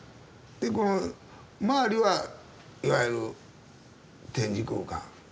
でこの周りはいわゆる展示空間。